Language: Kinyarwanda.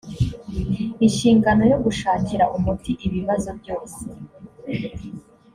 inshingano yo gushakira umuti ibibazo byose